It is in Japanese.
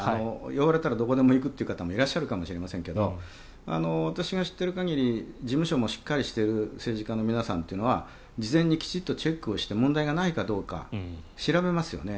言われたらどこでも行く方もいるかもしれませんが私が知っている限り事務所もしっかりしている政治家の皆さんというのは事前にきちんとチェックをして問題がないかどうか調べますよね。